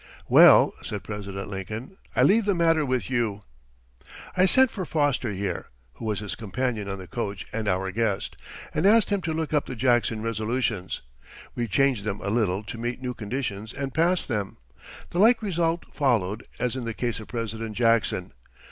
"Well," said President Lincoln, "I leave the matter with you." "I sent for Foster here" (who was his companion on the coach and our guest) "and asked him to look up the Jackson resolutions. We changed them a little to meet new conditions and passed them. The like result followed as in the case of President Jackson.